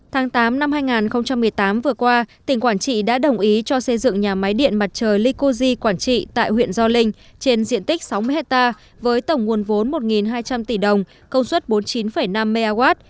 tháng tám năm hai nghìn một mươi tám vừa qua tỉnh quảng trị đã đồng ý cho xây dựng nhà máy điện mặt trời lycosi quảng trị tại huyện gio linh trên diện tích sáu mươi hectare với tổng nguồn vốn một hai trăm linh tỷ đồng công suất bốn mươi chín năm mw